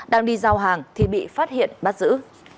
đang đi giao hàng thì bị phát hiện bắt giữ